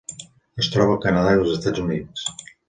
Es troba al Canadà i als Estats Units.